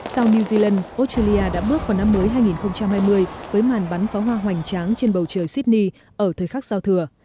sau new zealand australia đã bước vào năm mới hai nghìn hai mươi với màn bắn pháo hoa hoành tráng trên bầu trời sydney ở thời khắc giao thừa